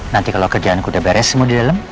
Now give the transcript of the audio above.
nanti kalo kerjaan ku udah beres semua di dalam